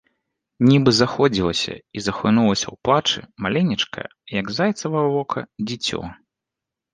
Нібы заходзілася і захлынулася ў плачы маленечкае, як зайцава вока, дзіцё.